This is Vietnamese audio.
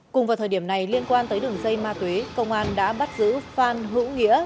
cùng vào thời điểm này liên quan tới đường dây ma túy công an đã bắt giữ phan hữu nghĩa